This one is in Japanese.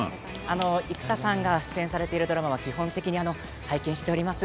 生田さんが出演されているドラマは基本的に拝見しています。